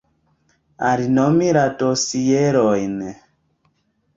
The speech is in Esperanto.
Alinomi la dosierojn.